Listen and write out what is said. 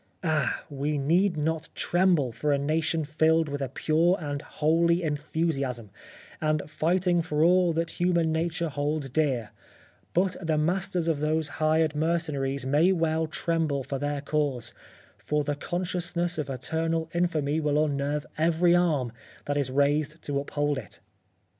Ah ! we need not tremble for a nation iilled with a pure and holy enthusiasm, and fighting for all that human nature holds dear ; but the masters of those hired mercen aries may well tremble for their cause, for the consciousness of eternal infamy will unnerve every arm that is raised to uphold it.